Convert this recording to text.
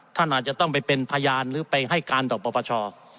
ท่านอาจจะต้องไปเป็นพยานหรือไปให้การต่อปปช